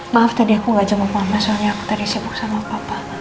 maaf tadi aku gak cuma mama soalnya aku tadi sibuk sama papa